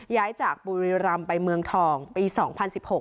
ย้ายจากบุรีรำไปเมืองทองปี๒๐๑๖